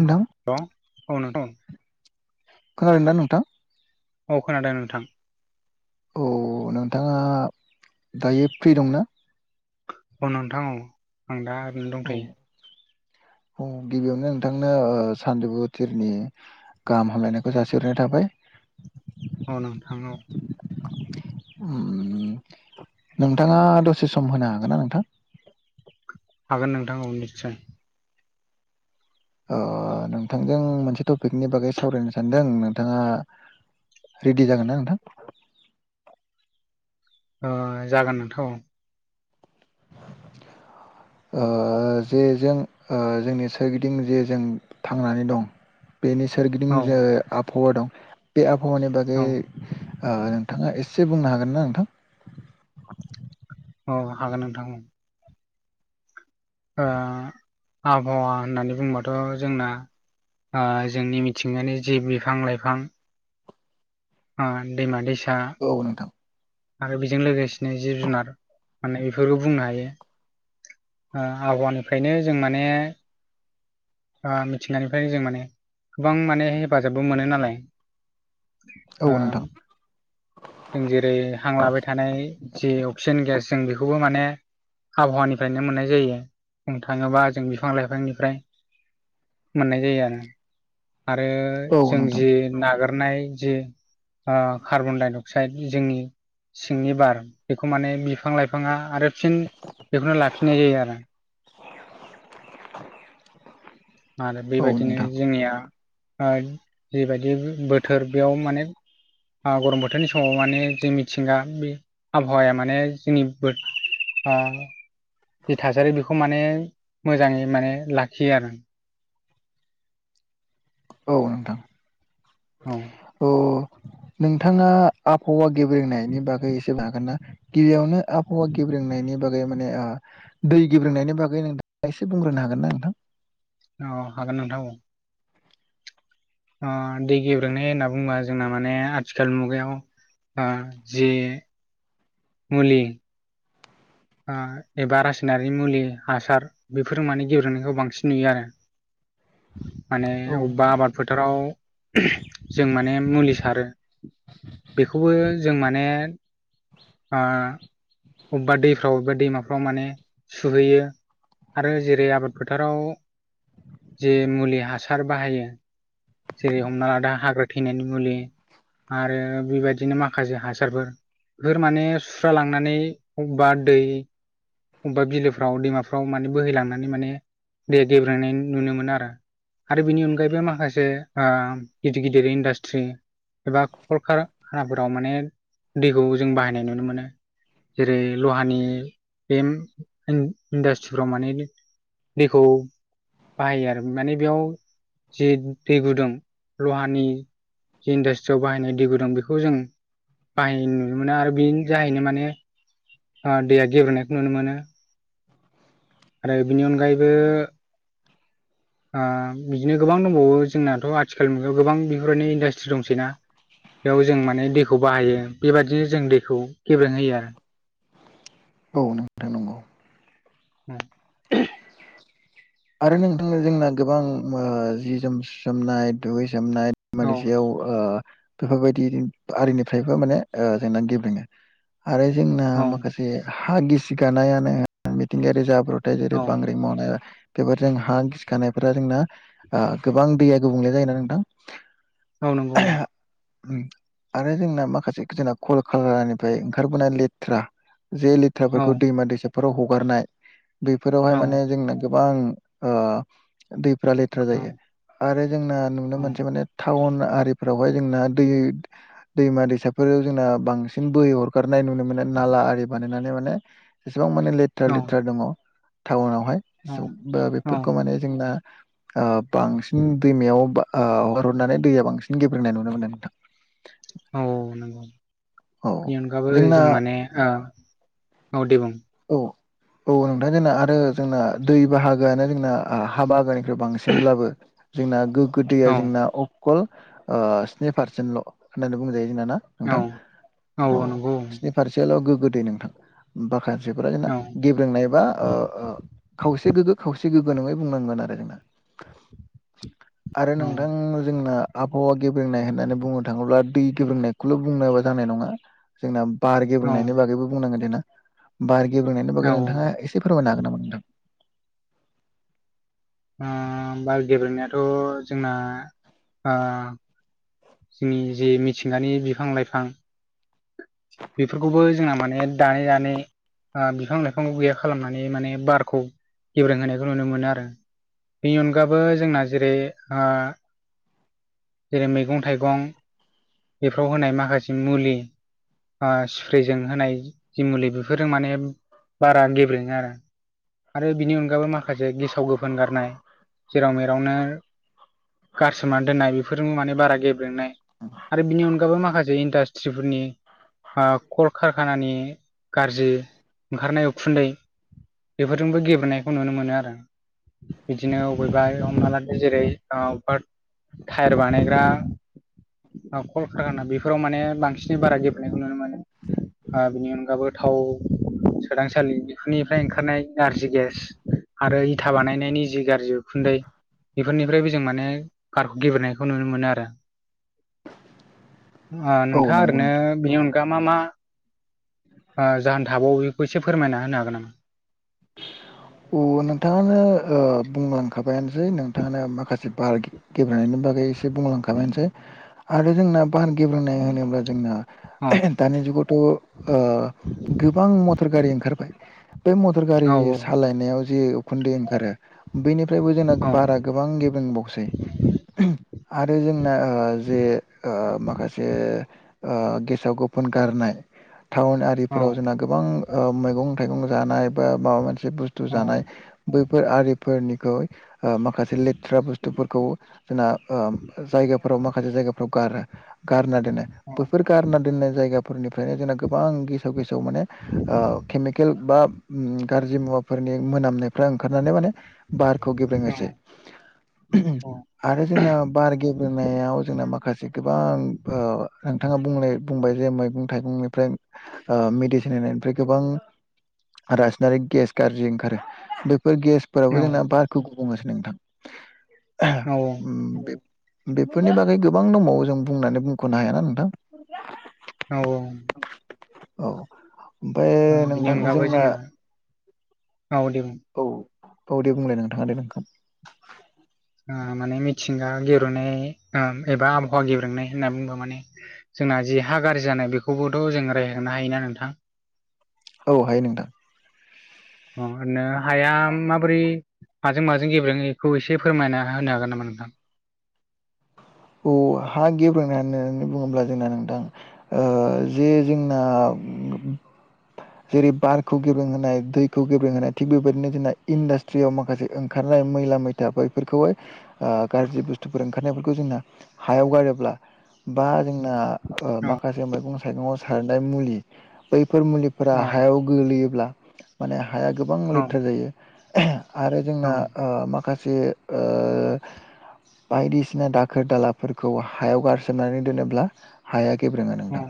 ओनथां हेलौ औ नोंथां खोनादोंना नोंथां? औ खोनादों नोंथां। औ नोंथांङा दायो फ्रि दंना? औ नोंथां औ आं दा ओरैनो औ दंथ'यो। औ गिबियावन नोंथांनो ओ सानजुफु थिरनि गाहाम हामलायनायखौ जासिहरनाय थाबाय। औ नोंथां औ। उम नोंथांङा दसे सम होनो हागोन ना नोंथां? हागोन नोंथां औ निस्सय अ नोंथांजों मोनसे टपिकनि बागै सावरायनो सानदों नोंथांङा रेडि जागोन ना नोंथां? अ जागोन नोंथां औ। ओ जे जों ओ जोंनि सोरगिदिं जे जों थांनानै दं बेनि सोरगिदिं औ जे आबहावा दं बे आबहावानि बागै औ आ नोंथांङा एसे बुंनो हागोन ना नोंथां? अ हागोन नोंथां औ। ओ आबहावा होननानै बुंबाथ' जोंना आ जोंनि मिथिंगानि जि बिफां लाइफां आ दैमा दैसा औ नोंथां आरो बेजों लोगोसेनो जिब जुनार माने। क्षंक्षंचज्ञ बुंनो हायो आ आबहावानिफ्रायनो जों माने आ मिथिंगानिफ्रायनो जों माने गोबां मानेर हेफाजाबबो मोनो नालाय औ ओम नोंथां जों जेरै हांलाबाय थानाय जि अक्सिजेन गेस जों बेखौबो माने आबहावानिफ्रायनो मोननाय जायो बुंनो थांङोबा जों बिफां लाइफांनिफ्राय। मोननाय जायो आरो आरो औ जों नोंथां जि नागारनाय जे आ कार्बन डाइ अक्साइड जोंनि सिंनि बार बेखौ माने बिफां लाइफांङा आरो फिन बेखौनो लाफिननाय जायो आरो। [inaudible] [unintelligible] मानो औ बेबायदिनो नोंथां जोंनिया ओ जिबायदि बोथोर बेयाव माने ओ गरम बोथोरनि समाव माने जों मिथिंगा बे आबहावाया माने जोंनि बो आ जि थासारि बेखौ माने मोजाङै माने लाखियो आरो औ नोंथां औ अ नोंथाङा आबहावा गेब्रेंनायनि बागै एसे हागोन ना गिबियावनो आबहावा गेब्रेंनायनि बागै माने आ दै गेब्रेंनायनि बागै एसे बुंग्रोनो हागोन ना नोंथां अ हागोन नोंथां औ अ दै गेब्रेंनाय होनना बुङोबा जोंना माने आथिखाल मुगायाव आ जि मुलि आ एबा रासायनारि मुलि हासार बेफोर माने गेब्रेंनायखौ बांसिन नुयो आरो माने औ अबबा नोंथां आबाद फोथाराव जों माने मुलि सारो बेखौबो जों माने ओ अबेबा दै फ्राव बे दैमाफ्राव माने सुहैयो आरो जेरै आबाद फोथाराव जे मुलि हासार बाहायो जेरै हमना लादा हाग्रा थैनायनि मुलि आरो बेबायदिनो माखासे हासारफोर फोर माने सुस्रा लांनानै अबबा दै अबेबा बिलोफ्राव दैमाफ्राव माने बोहैलांनानै माने दैहा गेब्रेनाय नुनो मोनो आरो आरो बिनि अनगायैबो माखासे ओ गिदिर गिदिर इन्डास्ट्रि एबा खलखार खानाफोराव माने दैखौ जों बाहायनाय नुनो मोनो जेरै लहानि बे इन्डास्ट्रिफ्राव माने दैखौ बाहायो आरो माने बेयाव जि दै गुदुं लहानि जि इन्डास्ट्रियाव बाहायनाय दै गुदुं बेखौ जों बाहायनाय नुनो मोना आरो बे जाहैनो माने ओ दैया गेब्रेंनायखो नुनो मोनो आरो बेनि अनगायैबो ओ बिदिनो गोबां दंबावो जोंनाथ' आथिखाल मुगायाव गोबां बेफोरबादि इन्डासट्रि दंसैना बेयाव जों माने दैखौ बाहायो बेबायदिनो जों दैखौ गेब्रेंहोयो आरो औ नों थां नंगौ औ आरो नोंथां जोंना गोबां ओ जि जोम सोमनाय दुगैसोमनाय औ मानि सायाव आ बेफोरबायदि आरिनिफ्रायबो माने जोंना गेब्रेङो आरो जोंना औ माखासे जे हा गिसिगानायानो मिथिंगायारि जाब्रथाय जेरै औ बांग्रिं मावनाय बेफोरजों हा गिसिखानायफोरा जोंना गोबां दैया गुबुंले जायोना नोंथां औ नंगौ [unintelligible] आरो जोंना माखासे जोंना कल खालारनिफ्राय ओंखारबोनाय लेथ्रा जे औ लेथ्राफोरखौ दैमा दैसाफोराव हगारनाय बेफोरावहाय औ माने जोंना गोबां ओ दैफ्रा लेथ्रा जायो आरो जोंना नुनो मोनसे माने टाउन आरिफोरावहाय जोंना दै दैमा दैसाफोर जोंना बांसिन बोहै हर फोरनाय नुनो मोनो नाला आरि बानायनानै माने जेसेबां माने लेथ्रा औ लेथ्रा दङ टाउनावहाय औ बेफोरखौ माने जोंना ओ बांसिन दैमायाव ओ हगार हरनानै दैया बांसिन गेब्रेनाय नुनो मोनो नोंथां। औ नंगौ औ बेनि अनगाबो जोंना जों माने ओ औ दे बुंं। औ। औ नोंथां जोंना आरो जोंना दै बाहागोआनो जोंना हा बाहागोनिख्रुइ बांसिनब्लाबो जोंना गोग्गो दैया औ जोंना अकल ओ स्नि पारसेन्टल' होननानै बुंजायो जोंना ना। औ नोंथां औ नोंसिनि फारसेल' गोग्गो दै नोंथां माखासेफोरा जोंना औ गेब्रोंनाय बा ओ ओ। खावसे गोग्गो खावसे गोग्गो नङै बुंनांगोन आरो जोंना। आरो औ नोंथां जोंना आबहावा गेब्रेंनाय होननानै बुंनो थाङोब्ला दै गेब्रेंनायखौल' बुंङोबा जानाय नङा। जोंना बार औ गेब्रेंनायनि बागैबो बुंनांगोन जोंना। बार गेबेंनायनि औ बागै नोंथाङा ओ एसे फोरमायनो हागोन नामा नोंथां? ओ बार गेबेंनायाथ' जोंना ओ जोंनि जे मिथिंगानि बिफां लाइफां बेफोरखौबो जोंहा माने दानै दानै ओ बिफां लाइफां गैया खालामनानै माने बारखौ गेब्रेंहोनायखौ नुनो मोनो आरो। बेनि अनगाबो जोंना जेरै ओ जेरै मैगं - थाइगं बेफ्राव होनाय माखासे मुलि ओ स्प्रेजों होनाय जि मुलि बेफोरजों माने बारा गेब्रेङो आरो। आरो बिनि अनगायैबो माखासे गेसाव गोफोन गारनाय जेराव मेरावनो गारसोमनानै दोननाय बेफारजों माने बारा गेब्रेनाय आरो बिनि अनगाबो माखासे इनदास्त्रि फोरनि ओ कलकारखानानि गाज्रि ओंखारनाय उखुन्दै बेफोरजोंबो गेब्रें नायखौ नुनो मोनो आरो। बिदिनो अबेबा हमनालानो जेरै ओ बाद टायार बानायग्रा औ कलकाखाना बेफोराव माने बांसिन बारा गेब्रें नायखौ नुनो। ओ बिनि अनगाबो थाव सोदांसालि बेफोरनिफ्राय ओंखारनाय नारजि गेस आरो इथा बानायनायनि जि गारजि उखुन्दै बेफोरनिफ्रायबो जों माने बारखौ गेब्रेनायखौ नुनो मोनो आरो। ओ नोंथां औ नोंथाङा नंगौ ओरैनो नोंथां बेनि अन गा मा मा ओ जाहोन थाबावो बेखौ एसे फोरमायना होनो हागोन नामा? उ नोंथाङानो ओ बुंलांखाबायानोसै नोंथाङानो माखासे बार गेब्रें नायनि बागै बुंलांखाबायसै आरो जोंना बार गेब्रेंनाय होनोब्ला जोंना औ [unintelligible] दानि जुगावथ' ओ गोबां मटर गारि ओंखारबाय बे मटर गारि औ सालायनायाव जे उखुन्दै ओंखारो बैनिफ्रायबो जोंना औ बारा गोबां गेब्रेंबावसै। आरो जोंना ओ जे ओ माखासे ओ गेसाव गोफोन गारनाय टाउन आ बेफोराव जोंना गोबां ओ मैगं थाइगं जानाय बा माबा मोनसे बुस्थु जानाय बैफोर आरिफोरनिखौ ओ माखासे लेथ्रा बुस्थुफोरखौ जोंना ओ जायगा फोराव माखासे जायगाफोराव गारो गारना दोनो औ बेफोर गारना दोननाय जायगाफोरनिफ्रायनो जोंना गोबां गेसाव गेसाव माने ओ केमिकेल बा ओम गाज्रि [unintelligible] मुवाफोरनि मोनामनायफ्रा ओंखारनानै माने बारखौ गेब्रें होसै [unintelligible] आरो जोंना बार गेब्रेनायाव जोंना माखासे गोबां ओ नोंथाङा बुंलाय बुंबाय जे मैगं थाइगंनिफ्राय ओ मेडिसिन होनायनिफ्राय गोबां रासायनारिक गेस गारजि ओंखारो बेफोर गेसफोरावबो जोंना बारखौ गुबुं होगासिनो नोंथां। औ [unintelligible] उम बे बेफोरनि बागै गोबां दंबावो जों बुंनानै बुंख'नो हायाना नोंथां? औ औ ओमफाय बिनि नोंथां अनगाबो जोंना [unintelligible] औ औ दे बुंलाय नोंथाङा दे [unintelligible] ओ माने मिथिंगा गेब्रेंनाय ओ एबा आबहावा गेब्रेनाय होनना बुंङोबा माने जोंना जि हा गारजि जानाय बेखौबोथ' जों रायहांनो होनो हायोना नोंथां? औ हायो नोंथां। अ ओरैनो हाया माबोरै हाजों माजों गेब्रेंङो एखौ एसे फोरमायना होनो हागोन नामा नोंथां? औ हा गेब्रेंना होननानै बुङोब्ला जोंना नोंथां ओ जे जोंना जेरै बारखौ गेब्रोंहोनाय दैखौ गेब्रोंहोनाय थिग बेबायदिनो जोंना इन्डास्ट थ्रियाव माखासे ओंखारनाय मैला मैथा बैफोरखौहाय ओ गाज्रि बुस्थुफोर ओंखारनायफोरखौ जोंना हायाव गारोब्ला बा जोंना ओ औ माखासे मैगं थाइगंआव सारनाय मुलि बैफोर मुलिफोरा औ हायाव गोलैयोब्ला माने हाया गोबां औ लेथ्रा जायो आरो औ जोंना ओ माखासे बे ओ बायदिसिना [unintelligible] [unintelligible] दालाफोरखौ हायाव गारसोमनानै दोनोब्ला हाया गेब्रेंङो औ नोंथां।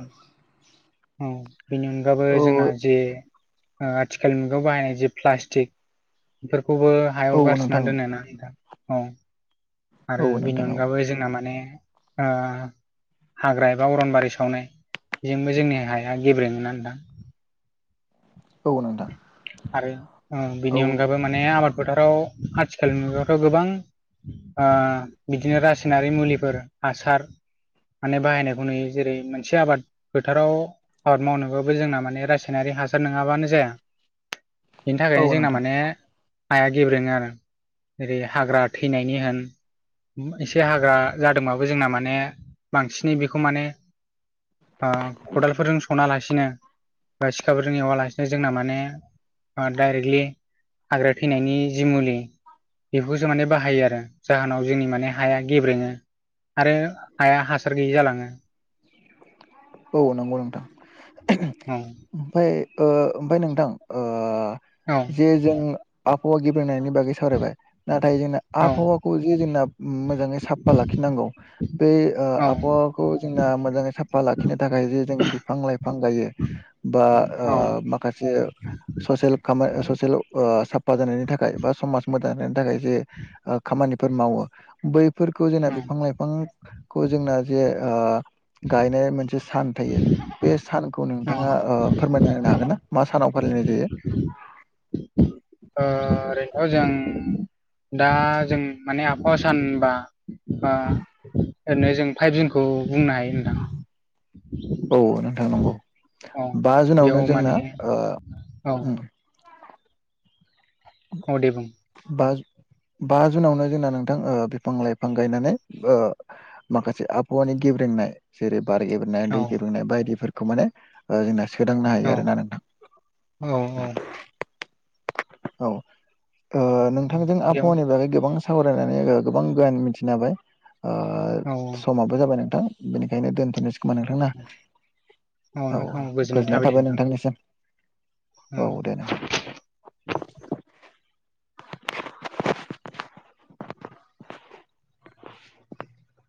औ बेनि अनगाबो औ जोंना जि ओ आथिखालनि मुगायाव बाहायनाय जे प्लास्टिक बेफोरखौबो औ हायाव नोंथां गारसोननानै दोनो ना नोंथां औ। आरो औ बिनि नोंथां औ अनगाबो जोंना माने ओ हाग्रा एबा अरनबारि सावनाय बेजोंबो जोंनि हाया गेब्रेङो ना नोंथां। औ नोंथां। आरो ओ औ बिनि अनगाबो माने आबाद फोथाराव आथिखालनि मुगायावथ' गोबां ओ बिदिनो रासायनारि मुलिफोर हासार माने बाहायनायखौ नुयो जेरै मोनसे आबाद फोथाराव आबाद मावनोबो जोंना माने रासायनारि हासार नोङाबानो जाया। बेनि औ थाखायनो जोंना नोंथां माने हाया गेब्रेङो आरो जेरै हाग्रा थैनायनि होन। एसे हाग्रा जादोंबाबो जोंना माने बांसिनै बेखौ माने ओ खदालफोरजों सना लासिनो बा सिखाफोरजों एवालासिनो जोंना माने ओ डायरेक्टलि हाग्रा थैनायनि जि मुलि बेखौसो माने बाहायो आरो। जाहोनाव जोंनि माने हाया गेब्रेङो आरो हाया हासार गैयि जालांङो। औ नोंगौ नोंथां। औ ओमफाय ओ ओमफाय नोंथां ओ औ जे जों आबहावा गेब्रेंनायनि बागै सावरायबाय नाथाय जोंना औ आबहावाखौ जे जोंना मोजांङै साफा लाखिनांगौ। बे ओ औ आबहावाखौ जोंना मोजांङै साफा ला बेखिनो थाखाय जे जों बिफां लाइफां गायो बा ओ औ माखासे ससेेल खामाय ससेल ओ साफा जानायनि थाखाय बा समाज मोजां जानायनि थाखाय जे ओ खामानिफोर मावो बै फोरखौ जोंना औ बिफां लाइफांखौ जोंना जे ओ गायनाया मोनसे सान थायो बे सानखौ नोंथांङा ओ फोरमायना होननो हागोन ना मा सानाव फालिनाय जायो। ओ ओरैनोथ' जों दा जों माने आबहावा सानबा ओ ओरैनो जों फाइभजनखौ बुंनो हायो नोंथां। औव नोंथां नंगौ औ बा जुनावनो बेयाव माने जोंना ओ औ उम औव दे बुं। बा जु बा जुनावनो जोंना नोंथां बिफां लाइफां गायनानै ओ माखासे आबहावानि गेब्रेंनाय जेरै बार एबा नाय औ दै गुुंनाय बायदिफोरखौ माने ओ जोंना सोदांनो हायो आरो ना नोंथां। औव औव औउ ओ औ नोंथांजों बेयाव आबहावानि बागै गोबां सावरायनानै गोबां गोयान मिथिनो हाबाय ओ औ औ समाबो जाबाय नोंथां बेनिखायनो दोनथ'नोसै खोमा नोंथांना औ औव नोंथां औ गोजोननाय दे थाबाय नोंथां नोंथांनिसिम। औव दे नोंथां। [unintelligible]